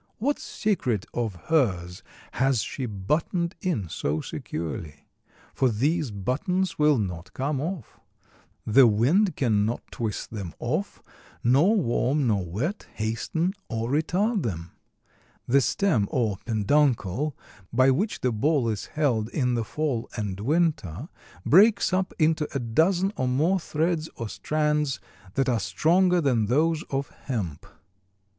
What secret of hers has she buttoned in so securely? for these buttons will not come off. The wind can not twist them off, nor warm nor wet hasten or retard them. The stem, or penduncle, by which the ball is held in the fall and winter, breaks up into a dozen or more threads or strands, that are stronger than those of hemp.